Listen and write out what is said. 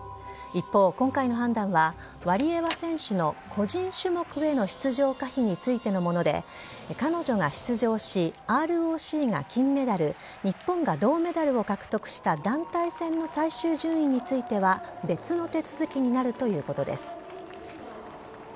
一方、今回の判断は、ワリエワ選手の個人種目への出場可否についてのもので、彼女が出場し、ＲＯＣが金メダル、日本が銅メダルを獲得した団体戦の最終順位については、別の手続きになるということです。